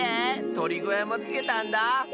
とりごやもつけたんだ。